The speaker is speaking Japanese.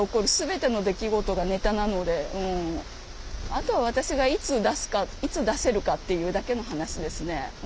あとは私がいつ出すかいつ出せるかっていうだけの話ですね。